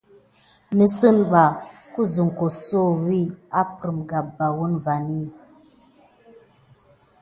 Nisiba hotaba ayangane barbardi naprime gaban wune vapay mikesodi.